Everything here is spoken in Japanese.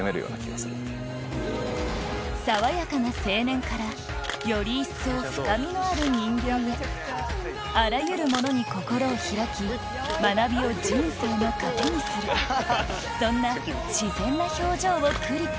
爽やかな青年からより一層深みのある人間へあらゆるものに心を開き学びを人生の糧にするそんな自然な表情をクリップ